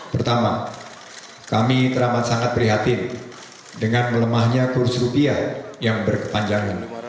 pertama kami teramat sangat prihatin dengan melemahnya kurs rupiah yang berkepanjangan